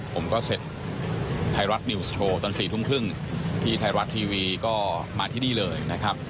ผมก็เสร็จไทยรัฐนิวส์โชว์ตอน๔ทุ่มครึ่งที่ไทยรัฐทีวีก็มาที่นี่เลยนะครับ